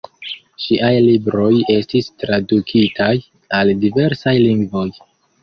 Ŝiaj libroj estis tradukitaj al diversaj lingvoj.